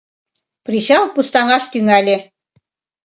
Причал пустаҥаш тӱҥале.